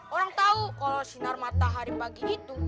orang tahu kalau sinar matahari pagi itu